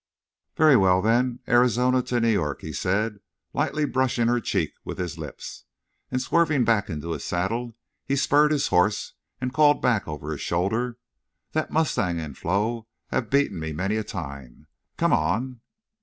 "Very well, then. Arizona to New York," he said, lightly brushing her cheek with his lips. And swerving back into his saddle, he spurred his horse and called back over his shoulder: "That mustang and Flo have beaten me many a time. Come on."